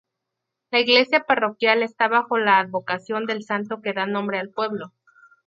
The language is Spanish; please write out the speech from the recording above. La iglesia parroquial está bajo la advocación del santo que da nombre al pueblo.